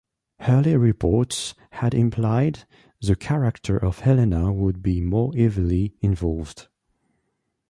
Earlier reports had implied the character of Helena would be more heavily involved.